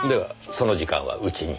その時間は家に。